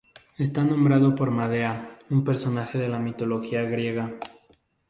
Está nombrado por Medea, un personaje de la mitología griega.